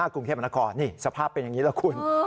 กรุงเทพมนครนี่สภาพเป็นอย่างนี้แล้วคุณ